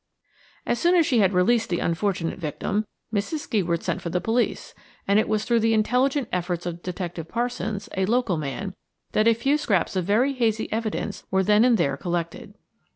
As soon as she had released the unfortunate victim, Mrs. Skeward sent for the police, and it was through the intelligent efforts of Detective Parsons–a local man–that a few scraps of very hazy evidence were then and there collected.